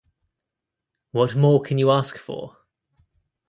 What more can you ask for?